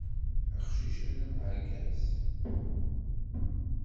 Aqcic-a d ameɛgaz.